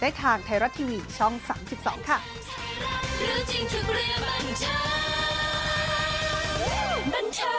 โอ้ยป่ายแล้วคุณผู้ชม